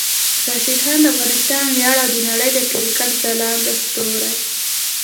راشد خان د افغانستان ویاړ او د نړۍ د کرکټ ځلانده ستوری